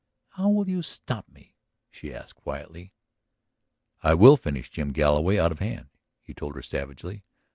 "How will you stop me?" she asked quietly. "I will finish Jim Galloway out of hand," he told her savagely.